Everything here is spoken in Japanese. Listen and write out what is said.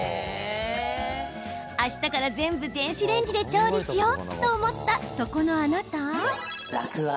明日から全部電子レンジで調理しようと思ったそこのあなた。